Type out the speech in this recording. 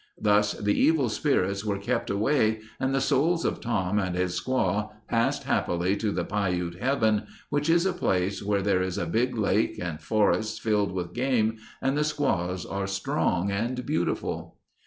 Thus the evil spirits were kept away and the souls of Tom and his squaw passed happily to the Piute heaven which is a place where there is a big lake and forests filled with game and the squaws are strong and plentiful.